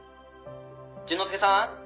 淳之介さん？